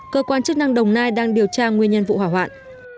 cơ quan chức năng đồng nai đang điều tra nguyên nhân vụ hỏa hoạn